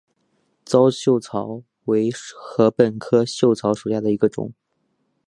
糙臭草为禾本科臭草属下的一个种。